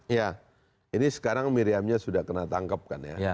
iya ini sekarang miriamnya sudah kena tangkep kan ya